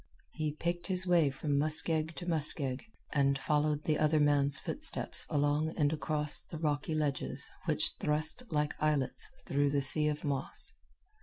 He picked his way from muskeg to muskeg, and followed the other man's footsteps along and across the rocky ledges which thrust like islets through the sea of moss.